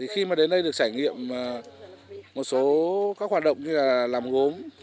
khi mà đến đây được trải nghiệm một số các hoạt động như là làm gốm